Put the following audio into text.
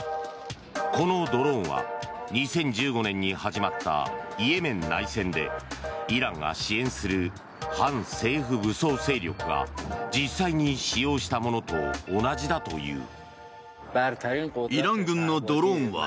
このドローンは２０１５年に始まったイエメン内戦でイランが支援する反政府武装勢力が実際に使用したものと同じだという。